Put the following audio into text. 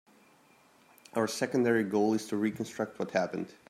Our secondary goal is to reconstruct what happened.